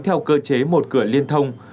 theo cơ chế một cửa liên thông